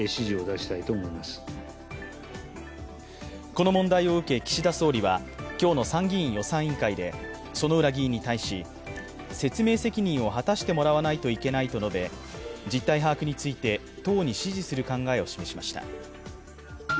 この問題を受け、岸田総理は今日の参議院予算委員会で薗浦議員に対し、説明責任を果たしてもらわないといけないと述べ実態把握について、党に指示する考えを示しました。